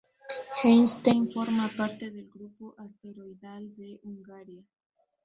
Einstein forma parte del grupo asteroidal de Hungaria.